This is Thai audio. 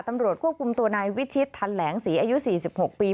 ตำรวจควบคุมตัวนายวิชิตทันแหลงศรีอายุ๔๖ปี